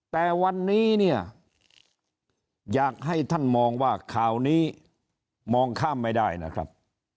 แต่วันนี้เนี่ยอยากให้ท่านมองว่าข่าวนี้มองข้ามไม่ได้นะครับ